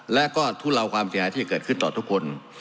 และก็ทุเลาความเสียหายที่จะเกิดขึ้นต่อทุกคน